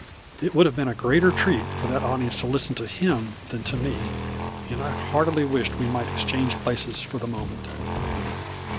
It would have been a greater treat for that audience to listen to him than to me, and I heartily wished we might exchange places for the moment.